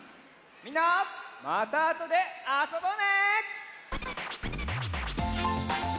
みんなまたあとであそぼうね！